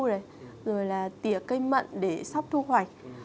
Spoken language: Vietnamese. rồi là tỉa cây mận để sắp thu hoạch